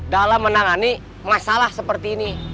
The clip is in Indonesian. dalam menangani masalah seperti ini